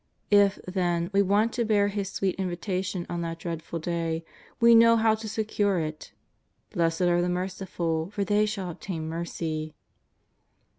If, then, we want to hear His sweet invitation on that dreadful Day, we know how to secure it —" Blessed are the merciful, for they shall obtain mercy."